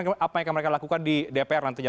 apa yang akan mereka lakukan di dpr nantinya